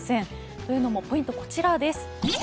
というのもポイントこちらです。